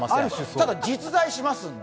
ただ、実在しますので。